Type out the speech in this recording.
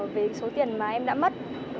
về số tiền mà em đã mất